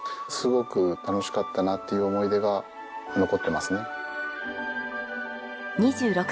すごく楽しかったなっていう思い出が残ってますね。